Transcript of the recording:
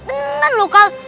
tenang loh kak